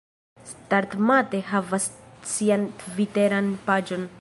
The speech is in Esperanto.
Startmate havas sian Tviteran paĝon